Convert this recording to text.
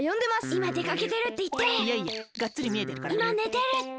いまねてるって！